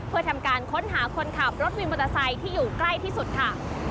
เพื่อทำการค้นหาคนขับรถวินมอเตอร์ไซค์ที่อยู่ใกล้ที่สุดค่ะ